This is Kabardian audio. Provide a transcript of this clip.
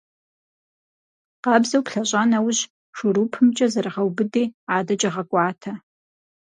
Къабзэу плъэщӀа нэужь, шурупымкӀэ зэрыгъэубыди, адэкӀэ гъэкӏуатэ.